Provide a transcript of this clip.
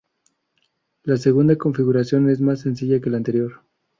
La segunda configuración es más sencilla que la anterior.